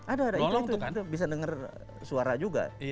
ada ada itu bisa denger suara juga